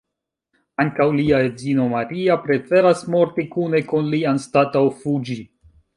Ankaŭ lia edzino Maria preferas morti kune kun li anstataŭ fuĝi.